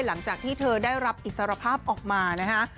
หลังจากที่เธอได้รับอิสรภาพออกมานะคะ